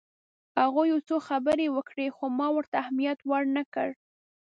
هغوی یو څه خبرې وکړې خو ما ورته اهمیت ورنه کړ.